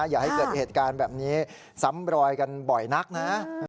อย่าให้เกิดเหตุการณ์แบบนี้ซ้ำรอยกันบ่อยนักนะ